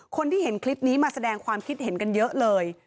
คนที่เห็นคลิปนี้มาแสดงความคิดเห็นกันเยอะเลย